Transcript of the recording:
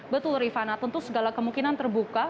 betul rifana tentu segala kemungkinan terbuka